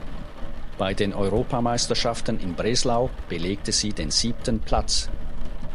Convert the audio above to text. Bei den Europameisterschaften in Breslau belegte sie den siebten Platz.